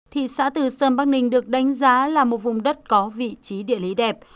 thị xã từ sơn bắc ninh được đánh giá là một vùng đất có vị trí địa lý đẹp